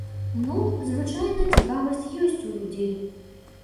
Ну, звычайна цікавасць ёсць у людзей.